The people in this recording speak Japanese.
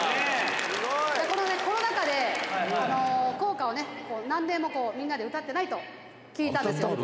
「このねコロナ禍で校歌をね何年もみんなで歌ってないと聞いたんですよ」